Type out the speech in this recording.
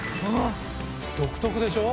独特でしょ？